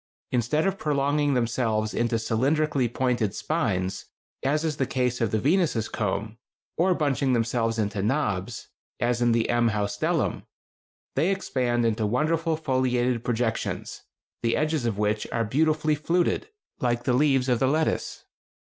Instead of prolonging themselves into cylindrically pointed spines, as in the case of the Venus' comb, or bunching themselves into knobs, as in the M. haustellum, they expand into wonderful foliated projections, the edges of which are beautifully fluted, like the leaves of the lettuce.